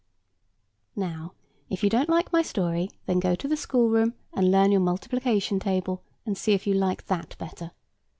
Now if you don't like my story, then go to the schoolroom and learn your multiplication table, and see if you like that better.